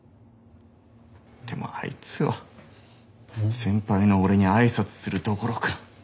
でもあいつは先輩の俺にあいさつするどころか。